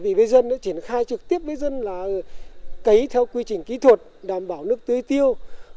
vì với dân triển khai trực tiếp với dân là cấy theo quy trình kỹ thuật đảm bảo nước tươi tiêu